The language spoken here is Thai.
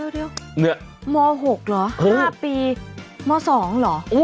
เดี๋ยวม๖เหรอ๕ปีม๒เหรอ